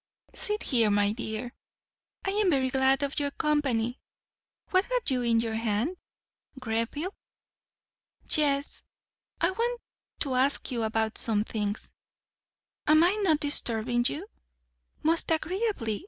"Sit there, my dear. I am very glad of your company. What have you in your hand? Greville?" "Yes. I want to ask you about some things. Am I not disturbing you?" "Most agreeably.